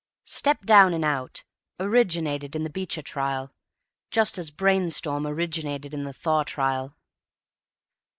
"Step down and out" originated in the Beecher trial, just as "brain storm" originated in the Thaw trial.